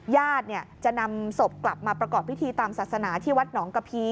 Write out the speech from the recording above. ญาติจะนำศพกลับมาประกอบพิธีตามศาสนาที่วัดหนองกะพี